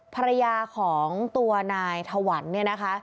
ภรรยาของตัวนายถวันเนี่ยนะคะ